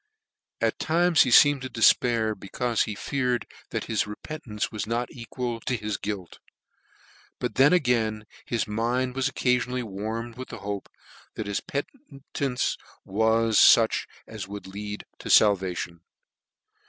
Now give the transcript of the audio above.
At times he Teemed to defpair, becaufe he feared that his repentance was not equal to his guilt ; but then again his mind was occafionally warmed with the hope that his penetance was fuch as would lead to falvation.